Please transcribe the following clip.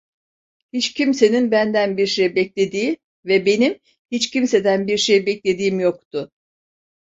Hiç kimsenin benden bir şey beklediği ve benim hiç kimseden bir şey beklediğim yoktu.